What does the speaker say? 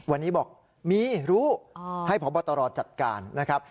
วันนี้บอกมีรู้ให้พบตรจัดการนะครับ